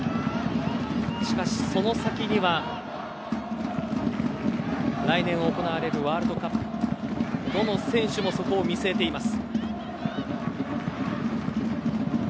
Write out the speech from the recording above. しかし、その先には来年行われるワールドカップどの選手もそこを見据えています。